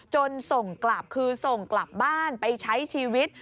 ส่งกลับคือส่งกลับบ้านไปใช้ชีวิต